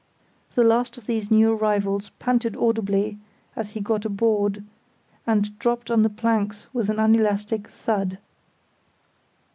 The last of these new arrivals panted audibly as he got aboard and dropped on the planks with an unelastic thud.